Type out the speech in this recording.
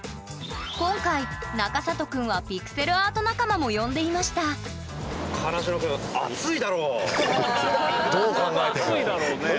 今回中里くんはピクセルアート仲間も呼んでいましたかなしのくんどう考えても。